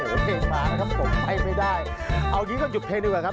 โหเพลงมานะครับผมให้ไม่ได้เอาอย่างงี้ก็จุดเพลงด้วยก่อนครับ